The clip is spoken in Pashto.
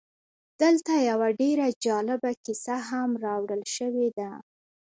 دلته یوه ډېره جالبه کیسه هم راوړل شوې ده